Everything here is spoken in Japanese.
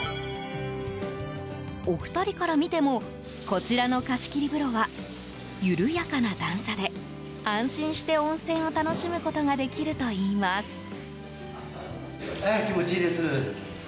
お二人から見てもこちらの貸し切り風呂は緩やかな段差で安心して温泉を楽しむことができるといいます。